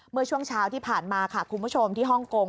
เมื่อช่วงเช้าที่ผ่านมาค่ะคุณผู้ชมที่ฮ่องกง